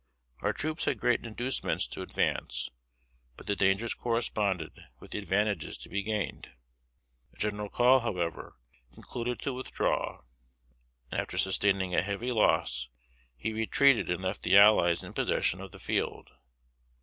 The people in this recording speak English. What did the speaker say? Our troops had great inducements to advance, but the dangers corresponded with the advantages to be gained. General Call, however, concluded to withdraw; and after sustaining a heavy loss he retreated and left the allies in possession of the field.